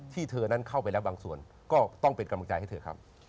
เธอนั้นเข้าไปแล้วบางส่วนก็ต้องเป็นกำลังใจให้เธอครับ